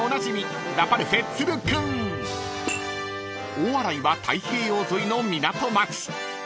［大洗は太平洋沿いの港町］